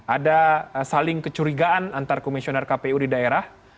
ada saling kecurigaan antar komisioner kpu di daerah